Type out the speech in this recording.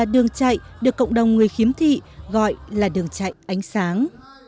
đường chạy được cộng đồng người khiếm thị gọi là đường chạy ánh sáng